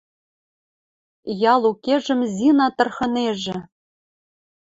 Ял укежӹм Зина тырхынежӹ